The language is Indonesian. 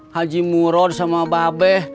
haji muron sama babeh